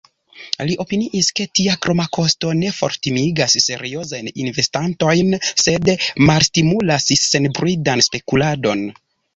Li opiniis ke tia kroma kosto ne fortimigas seriozajn investantojn, sed malstimulas senbridan spekuladon.